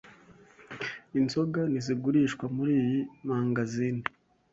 Inzoga ntizigurishwa muriyi mangazini.